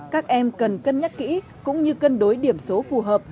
các em cần cân nhắc kỹ cũng như cân đối điểm số phù hợp